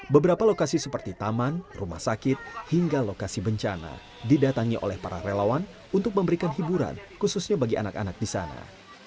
beberapa lokasi seperti taman rumah sakit hingga lokasi bencana didatangi oleh para relawan untuk memberikan hiburan khususnya bagi anak anak di sana